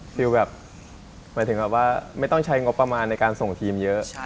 คือแบบหมายถึงแบบว่าไม่ต้องใช้งบประมาณในการส่งทีมเยอะ